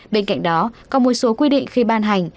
bên cạnh đó có một số quy định khi ban hành